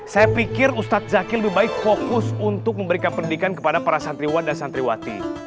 saya pikir ustadz zaki lebih baik fokus untuk memberikan pendidikan kepada para santriwan dan santriwati